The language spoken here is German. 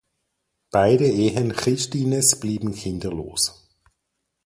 Beide Ehen Christines blieben kinderlos.